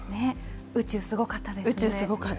宇宙すごかったです。